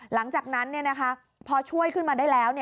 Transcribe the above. หลังจากนั้นพอช่วยขึ้นมาได้แล้ว